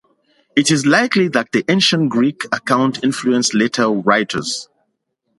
It is likely that the ancient Greek account influenced later writers.